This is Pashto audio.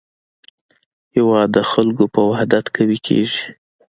هېواد د خلکو په وحدت قوي کېږي.